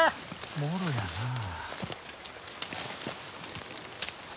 もろやなあ。